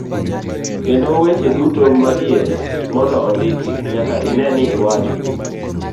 kendo weche duto madiher mondo ondiki nyaka ine ni iwacho.